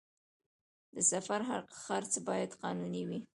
د سفر خرڅ باید قانوني وي